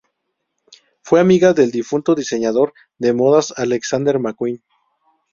Fue amiga del difunto diseñador de modas Alexander McQueen.